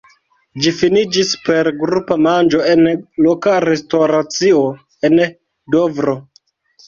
Ĝi finiĝis per grupa manĝo en loka restoracio en Dovro.